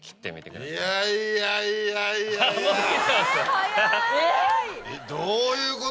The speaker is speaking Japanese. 早い。